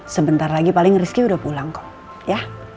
sebentar lagi paling rizky udah pulang kok ya